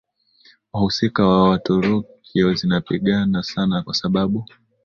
wahusika wa Waturuki zinapingana sana kwa sababu